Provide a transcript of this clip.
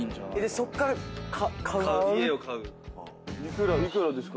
そっから買うんですか。